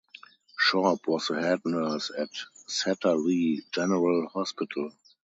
Shorb was the head nurse at Satterlee General Hospital.